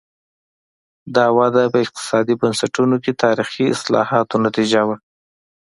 دا وده په اقتصادي بنسټونو کې تاریخي اصلاحاتو نتیجه وه.